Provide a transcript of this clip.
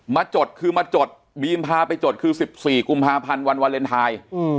จดคือมาจดบีมพาไปจดคือ๑๔กุมภาพันธ์วันวาเลนไทย